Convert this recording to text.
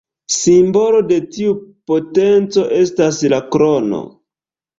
Simbolo de tiu potenco estas la krono.